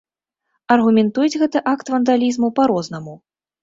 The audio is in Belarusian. Аргументуюць гэты акт вандалізму па-рознаму.